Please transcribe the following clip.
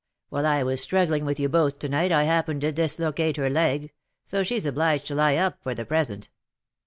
While I was struggling with you both to night I happened to dislocate her leg, so she's obliged to lie up for the present."